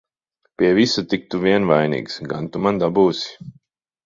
Pie visa tik tu vien vainīgs! Gan tu man dabūsi!